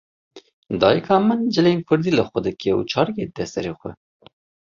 Dayîka min cilên kurdî li xwe dike û çarikê dide sere xwe.